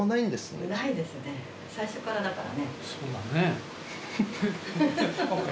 そうだね。